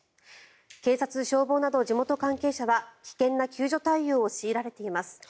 警察・消防など地元関係者は危険な救助対応を強いられています。